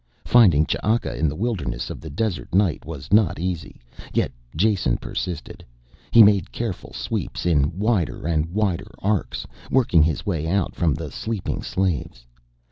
Finding Ch'aka in the wilderness of the desert night was not easy, yet Jason persisted. He made careful sweeps in wider and wider arcs, working his way out from the sleeping slaves.